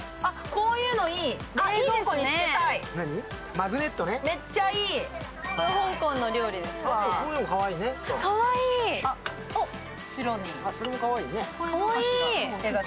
こういうのもかわいいね。